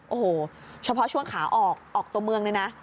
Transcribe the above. โอ้โหเฉพาะช่วงขาออกออกตัวเมืองเลยนะ